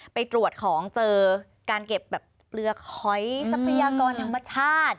ไปตรวจของเจอการเก็บแบบเปลือกหอยทรัพยากรธรรมชาติ